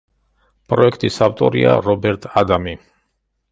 პროექტის ავტორია რობერტ ადამი.